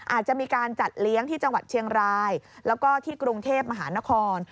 อาจจะมีการจัดเลี้ยงที่จังหวัดเชียงรายแล้วก็ที่กรุงเทพมหานคร